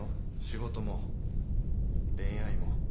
仕事も恋愛も